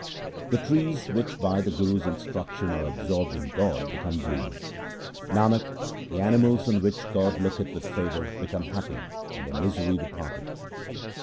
The trees which by the Guru's instruction are absorbed in God become green. 1 Nanak, the animals on which God looketh with favour become happy and their misery departeth.